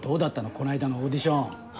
こないだのオーディション。